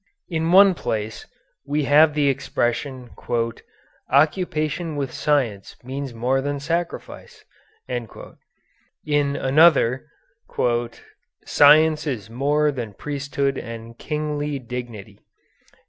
In one place we have the expression 'occupation with science means more than sacrifice.' In another 'science is more than priesthood and kingly dignity.'"